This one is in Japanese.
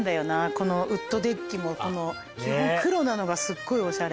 このウッドデッキもこの黒なのがすっごいおしゃれ。